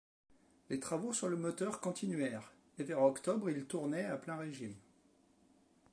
Les travaux sur le moteur continuèrent, et vers octobre il tournait à plein régime.